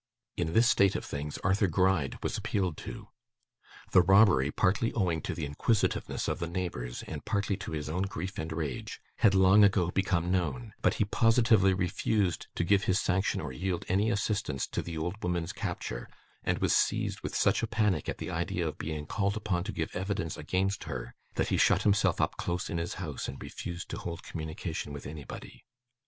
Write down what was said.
In this state of things, Arthur Gride was appealed to. The robbery, partly owing to the inquisitiveness of the neighbours, and partly to his own grief and rage, had, long ago, become known; but he positively refused to give his sanction or yield any assistance to the old woman's capture, and was seized with such a panic at the idea of being called upon to give evidence against her, that he shut himself up close in his house, and refused to hold communication with anybody.